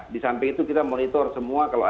di samping itu kita monitor semua